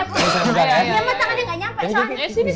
iya iya iya nanti itu sebelah sebelah